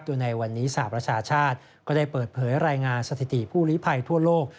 โดยในวันนี้สหประชาชาติก็ได้เปิดเผยรายงานสถิติผู้ลิภัยทั่วโลก